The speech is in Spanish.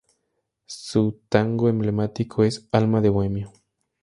Su tango emblemático es "Alma de bohemio".